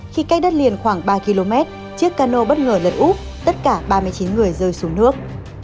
khi cách đất liền khoảng ba km chiếc cano bất ngờ lật úp tất cả ba mươi chín người rơi xuống nước